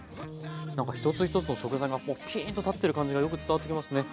なんか一つ一つの食材がこうピーンと立ってる感じがよく伝わってきますね。